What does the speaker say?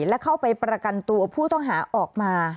และเข้าไปประกันตัวผู้ต้องหาออกมา